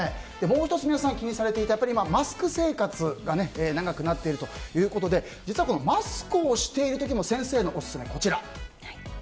もう１つ、皆さん気にされているマスク生活が長くなっているということで実は、マスクをしている時の先生のオススメはこちら。